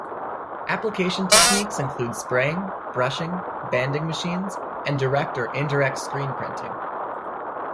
Application techniques include spraying, brushing, banding machines, and direct or indirect screen-printing.